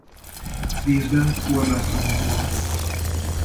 Vízben korlátlanul oldódik.